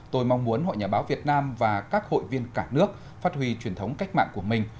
tôi mong muốn hội nhà báo việt nam và các hội viên cả nước phát huy truyền thống cách mạng của mình